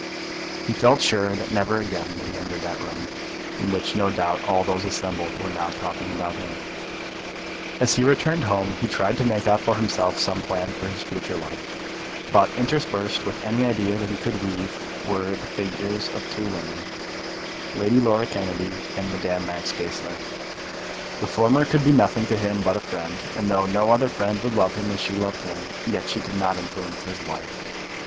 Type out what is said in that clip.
He felt sure that never again would he enter that room, in which no doubt all those assembled were now talking about him. As he returned home he tried to make out for himself some plan for his future life, but, interspersed with any idea that he could weave were the figures of two women, Lady Laura Kennedy and Madame Max Goesler. The former could be nothing to him but a friend; and though no other friend would love him as she loved him, yet she could not influence his life.